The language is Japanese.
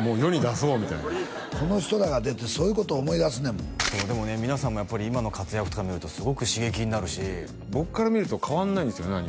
もう世に出そうみたいなこの人らが出てそういうこと思い出すねんもんでも皆さんもやっぱり今の活躍とか見るとすごく刺激になるし僕から見ると変わんないんすよね